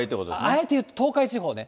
あえて言うと東海地方ね。